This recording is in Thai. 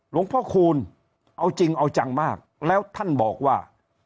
หลวงพ่อคูณเอาจริงเอาจังมากแล้วท่านบอกว่า